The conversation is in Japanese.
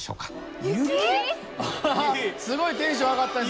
すごいテンション上がったよ